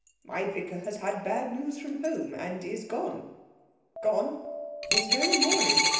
"My vicar has had bad news from home, and is gone." "Gone?" "This very morning.